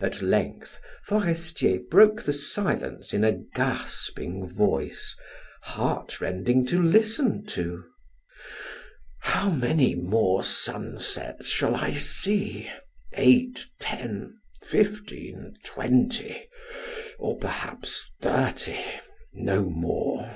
At length Forestier broke the silence in a gasping voice, heartrending to listen to: "How many more sunsets shall I see eight ten fifteen twenty or perhaps thirty no more.